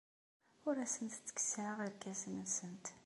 Ur asent-ttekkseɣ irkasen-nsent.